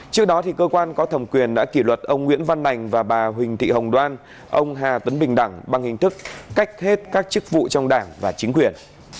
trước đó cơ quan có thẩm quyền đã kỷ luật ông nguyễn văn nành và bà huỳnh thị hồng đoan ông hà tấn bình đẳng bằng hình thức cách hết các chức vụ trong đảng và chính quyền